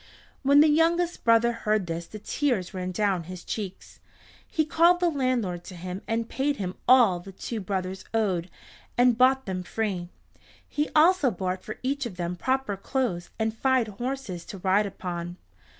When the youngest brother heard this the tears ran down his cheeks. He called the landlord to him and paid him all that the two brothers owed, and bought them free. He also bought for each of them proper clothes and fine horses to ride upon.